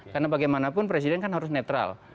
karena bagaimanapun presiden kan harus netral